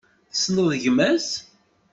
Tessneḍ gma-s?